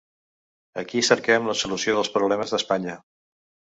Aquí cerquem la solució dels problemes d’Espanya.